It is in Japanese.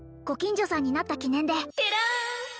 ご近所さんになった記念でてらん！